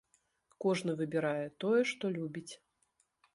Кожны выбірае тое, што любіць.